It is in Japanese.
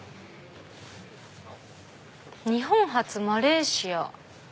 「日本初マレーシア」。